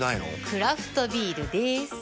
クラフトビールでーす。